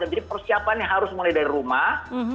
jadi persiapan yang harus mulai dari rumah